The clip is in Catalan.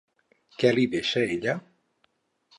Què li deixa ella?